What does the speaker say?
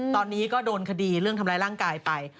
ตอนนี้ก็โดนคดีเรื่องทำร้ายร่างกายไป